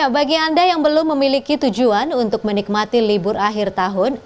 bagi anda yang belum memiliki tujuan untuk menikmati libur akhir tahun